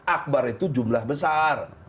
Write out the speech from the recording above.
akbar itu jumlah besar